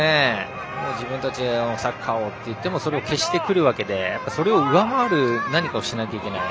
自分たちのサッカーをといってもそれを消してくるわけでそれを上回る何かをしないといけない。